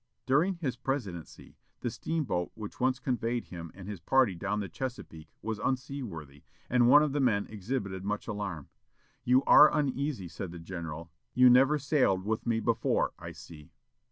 During his presidency, the steamboat which once conveyed him and his party down the Chesapeake was unseaworthy, and one of the men exhibited much alarm. "You are uneasy," said the general; "you never sailed with me before, I see."